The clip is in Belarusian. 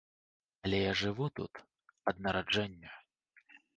Але я жыву тут ад нараджэння.